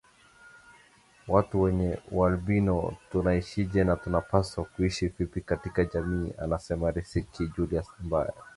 watu wenye ualbino tunaishije na tunapaswa kuishi vipi katika jamii anasema Riziki Julius ambaye